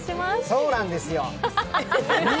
そうなんですよ！